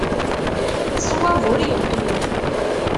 Ṣṣwab ur yeqqim.